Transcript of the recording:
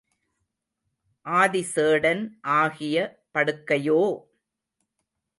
ஆதி சேடன் ஆகிய படுக்கையோ!